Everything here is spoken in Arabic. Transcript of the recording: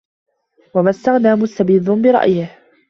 وَمَا اسْتَغْنَى مُسْتَبِدٌّ بِرَأْيِهِ